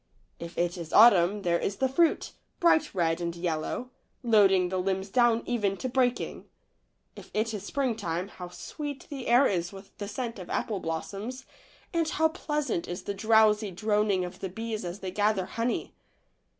If it is autumn there is the fruit, bright red and yellow, loading the limbs down even to breaking. If it is springtime, how sweet the air is with the scent of apple blossoms, and how pleasant is the drowsy droning of the bees as they gather honey